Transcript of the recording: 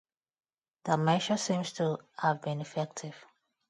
The measure seems to have been effective.